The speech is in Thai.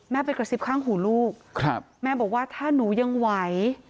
ไปกระซิบข้างหูลูกแม่บอกว่าถ้าหนูยังไหว